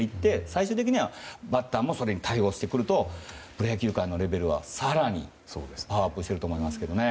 最終的にはバッターもそれに対応してくるとプロ野球界のレベルは更にパワーアップしていくと思いますけどね。